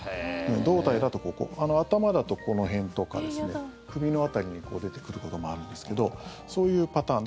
胴体だとここ頭だとこの辺とか首の辺りに出てくることもあるんですけどそういうパターン。